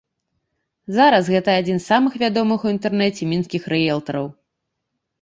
Зараз гэта адзін з самых вядомых у інтэрнэце мінскіх рыэлтараў.